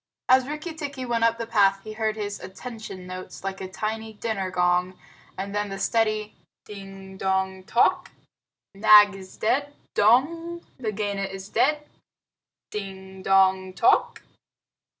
As Rikki tikki went up the path, he heard his "attention" notes like a tiny dinner gong, and then the steady "Ding dong tock! Nag is dead dong! Nagaina is dead! Ding dong tock!"